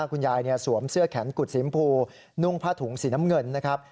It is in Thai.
สวมเสื้อแขนกุดสีมพูนุ่งผ้าถุงสีน้ำเงินนะครับ